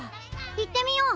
いってみよう！